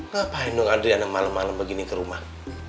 ngapain dong adriana malem malem begini ke rumah